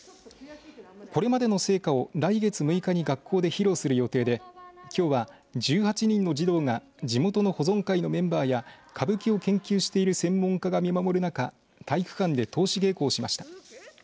これまでの成果を来月６日に学校で披露する予定できょうは１８人の児童が地元の保存会のメンバーや歌舞伎を研究している専門家が見守る中体育館で通し稽古をしました。